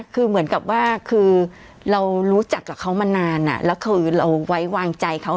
คือเหมือนกับว่าคือเรารู้จักกับเขามานานแล้วคือเราไว้วางใจเขา